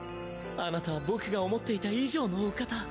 「あなたは僕が思っていた以上のお方」